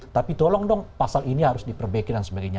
tapi tolong dong pasal ini harus diperbaiki dan sebagainya